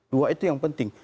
dua itu yang penting